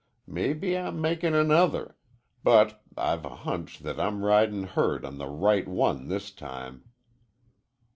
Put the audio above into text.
Maybe I'm makin' another. But I've a hunch that I'm ridin' herd on the right one this time."